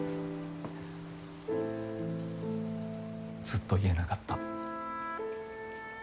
ずっと言えなかった。